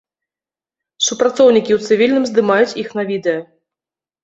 Супрацоўнікі ў цывільным здымаюць іх на відэа.